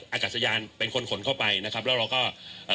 อากาศยานเป็นคนขนเข้าไปนะครับแล้วเราก็เอ่อ